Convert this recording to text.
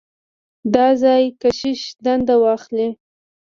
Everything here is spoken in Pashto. د ځايي کشیش دنده واخلي.